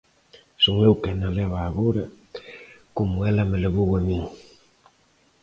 Son eu quen a leva agora como ela me levou a min.